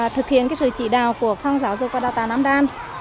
thực hiện sự chỉ đạo của phong giáo dục và đào tạo nam đan